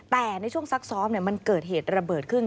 แต่ในช่วงซักซ้อมมันเกิดเหตุระเบิดขึ้น